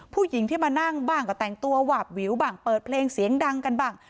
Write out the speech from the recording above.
ผู้หญิงที่มานั่งบ้างก็แต่งตัวหวาบวิวบ้างเปิดเพลงเสียงดังกันบ้าง